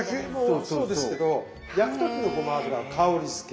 そうですけど焼く時のごま油は香りづけ。